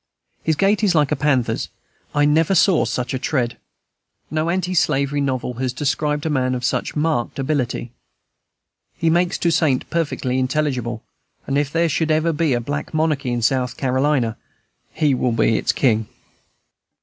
His gait is like a panther's; I never saw such a tread. No anti slavery novel has described a man of such marked ability. He makes Toussaint perfectly intelligible; and if there should ever be a black monarchy in South Carolina, he will be its king.